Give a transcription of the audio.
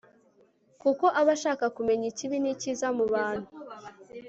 kuko aba ashaka kumenya ikibi n'icyiza mu bantu